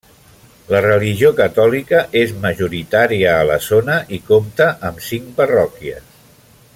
La religió catòlica és majoritària a la zona i compta amb cinc parròquies.